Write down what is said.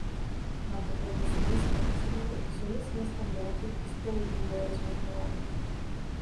Нам патрэбны сумесныя працэдуры, сумесныя стандарты і справядлівае размеркаванне.